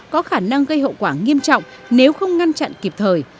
có khả năng gây hậu quả nghiêm trọng nếu không ngăn chặn kịp thời